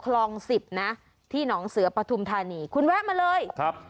คลองสิบนะที่หนองเสือปฐุมธานีคุณแวะมาเลยครับ